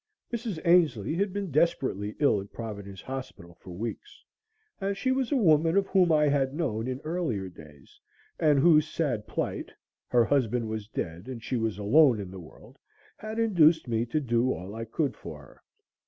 Mrs. Ainslee had been desperately ill at Providence Hospital for weeks and she was a woman of whom I had known in earlier days and whose sad plight her husband was dead and she was alone in the world had induced me to do all I could for her.